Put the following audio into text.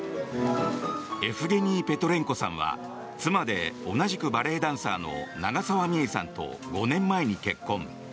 エフゲニー・ペトレンコさんは妻で同じくバレエダンサーの長沢美絵さんと５年前に結婚。